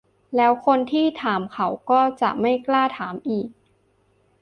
แล้วคนที่ถามเขาก็จะไม่กล้าถามอีก